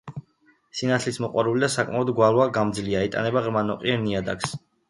სინათლის მოყვარული და საკმაოდ გვალვაგამძლეა, ეტანება ღრმა ნოყიერ ნიადაგს.